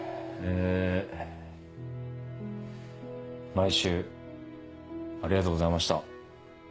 毎週ありがとうございました。